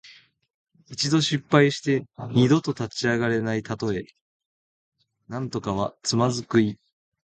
一度失敗して二度と立ち上がれないたとえ。「蹶」はつまずく意。